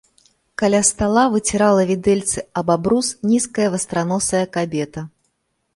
Каля стала выцірала відэльцы аб абрус нізкая вастраносая кабета.